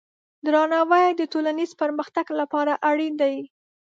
درناوی د ټولنیز پرمختګ لپاره اړین دی.